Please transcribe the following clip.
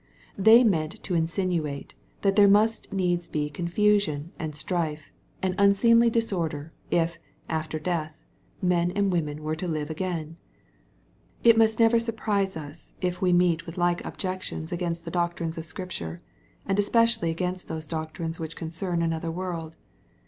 "NThey meant MATTHEW, CHAP. XXII. 289 to insinuate, that there must needs be confusion, and strife, and unseemly disorder, if, after death, men and women were to live again. It must never surprise us, if we meet with like objec tions against the doctrines of Scripture, and especially against those doctrines which concern another world.